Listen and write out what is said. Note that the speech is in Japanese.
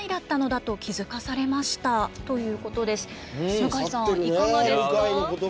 向井さん、いかがですか？